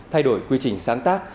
thay đổi quy trình sáng tác